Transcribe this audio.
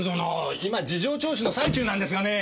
今事情聴取の最中なんですがね。